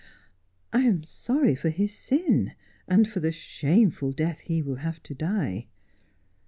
' I am sorry for his sin and for the shameful death he will have to die